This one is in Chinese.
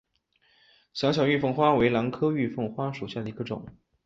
小巧玉凤花为兰科玉凤花属下的一个种。